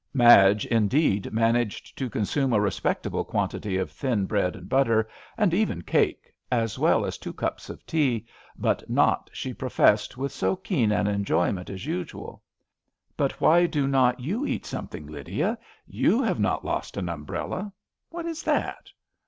Madge indeed managed to consume a respect able quantity of thin bread and butter, and even cake, as well as two cups of tea, but not, she professed, with so keen an enjoy ment as usual. But why do not you eat something, Lydia? You have not lost an umbrella I What is that